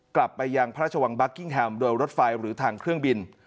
กลับไปยังพระราชวังบัคกิ้งแฮมโดยรถไฟหรือทางเครื่องบิน